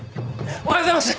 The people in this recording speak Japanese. おはようございます。